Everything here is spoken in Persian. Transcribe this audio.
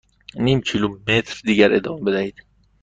نیم کیلومتر دیگر ادامه بدهید.